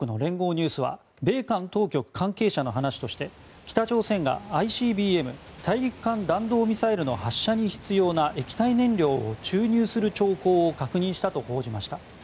ニュースは米韓当局関係者の話として北朝鮮がＩＣＢＭ・大陸間弾道ミサイルの発射に必要な液体燃料を注入する兆候を確認したと報じました。